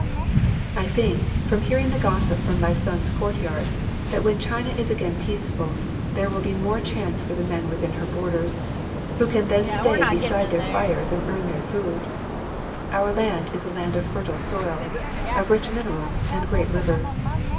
I think, from hearing the gossip from thy son's courtyard, that when China is again peaceful, there will be more chance for the men within her borders, who can then stay beside their fires and earn their food. Our land is a land of fertile soil, of rich minerals, and great rivers.